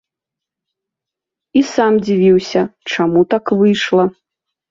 І сам дзівіўся, чаму так выйшла.